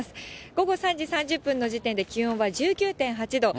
午後３時３０分の時点で気温は１９．８度。